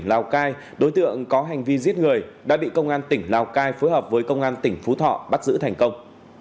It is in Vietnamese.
lào cai đối tượng có hành vi giết người đã bị công an tỉnh lào cai phối hợp với công an tỉnh phú thọ bắt giữ thành công